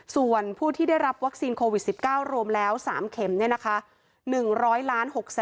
ส่วนผู้ที่ได้รับวัคซีนโควิด๑๙รวมแล้ว๓เข็มเนี่ยนะคะ